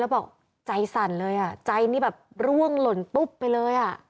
บอกใจสั่นเลยอ่ะใจนี่แบบร่วงหล่นปุ๊บไปเลยอ่ะ